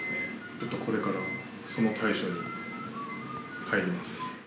ちょっとこれから、その対処に入ります。